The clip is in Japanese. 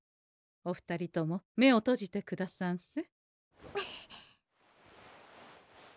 お二人とも目を閉じてくださんせ。